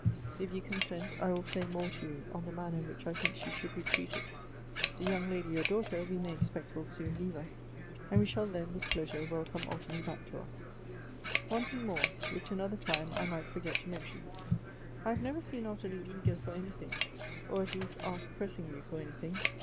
If you consent, I will say more to you on the manner in which I think she should be treated. The young lady your daughter we may expect will soon leave us, and we shall then with pleasure welcome Ottilie back to us. Elective Affinities. 49 " One thing more, which another time I might forget to mention : I have never seen Ottilie eager for anything, or at least ask pressingly for anything.